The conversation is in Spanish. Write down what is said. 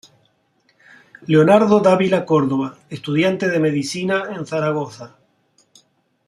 Leonardo Dávila Córdoba, estudiante de medicina en Zaragoza.